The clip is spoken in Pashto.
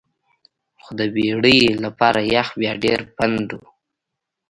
خو د بیړۍ لپاره یخ بیا ډیر پنډ وي